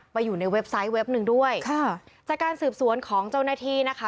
อยู่ในเว็บไซต์เว็บหนึ่งด้วยค่ะจากการสืบสวนของเจ้าหน้าที่นะคะ